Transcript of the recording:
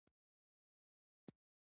ګاز د افغانستان په هره برخه کې موندل کېږي.